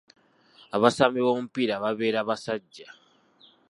Abasambi b'omupiira babeera basajja.